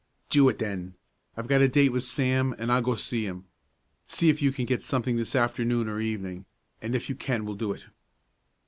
"Do it, then. I've got a date with Sam, and I'll go see him. See if you can get something this afternoon or evening, and if you can we'll do it."